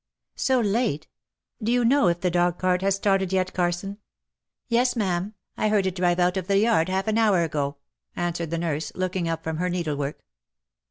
" So late ? Do you know if the dog cart has started yet, Carson ?" "Yes, ma^am, I heard it drive out of the yard half an hour ago,^^ answered the nurse, looking up from her needle work.